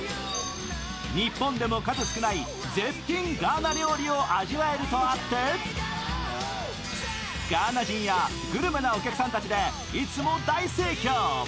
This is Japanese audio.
日本でも数少ない絶品ガーナ料理を味わえるとあってガーナ人やグルメなお客さんたちでいつも大盛況。